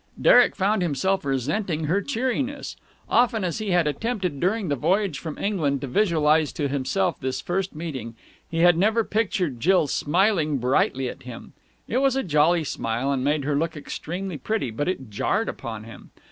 Derek found himself resenting her cheeriness. Often as he had attempted during the voyage from England to visualize to himself this first meeting, he had never pictured Jill smiling brightly at him. It was a jolly smile, and made her look extremely pretty, but it jarred upon him.